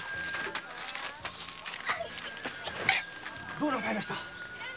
どうなさいました？